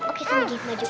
oke saya mau dimajukan